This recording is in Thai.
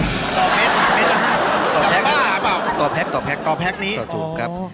ต่อเม็ดละฮะต่อแพ็คต่อแพ็คต่อแพ็คต่อแพ็คนี้ถูกครับ